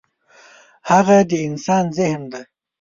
هغه د انسان ذهن دی.